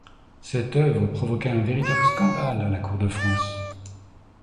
Cette œuvre provoqua un véritable scandale à la cour de France.